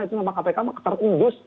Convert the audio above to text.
cuma kpk mah tertunggus